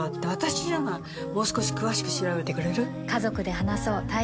もう少し詳しく調べてくれる？